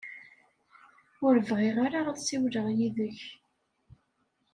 Ur bɣiɣ ara ad ssiwleɣ yid-k.